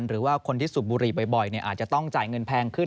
หรือว่าคนที่สูบบุหรี่บ่อยอาจจะต้องจ่ายเงินแพงขึ้น